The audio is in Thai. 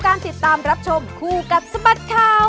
การติดตามรับชมคู่กับสบัดข่าว